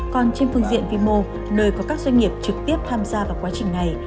còn trên phương diện vĩ mô nơi có các doanh nghiệp trực tiếp tham gia vào quá trình này